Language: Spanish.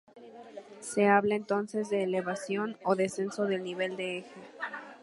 Se habla entonces de elevación o descenso del nivel de eje.